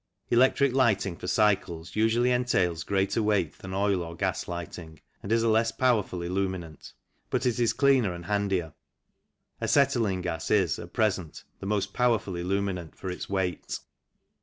Electric lighting for cycles usually entails greater weight than oil or gas lighting, and is a less powerful illuminant ; but it is cleaner and handier. Acetylene gas is, at present, the most powerful illuminant for its weight.